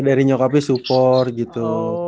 dari nyokapnya support gitu